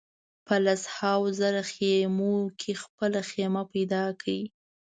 په لسهاوو زره خېمو کې خپله خېمه پیدا کړي.